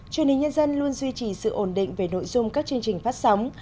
truyền hình nhân dân luôn duy trì sự ổn định về nội dung các chương trình phát sóng